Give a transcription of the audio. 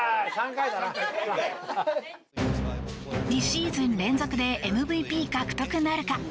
２シーズン連続でＭＶＰ獲得なるか。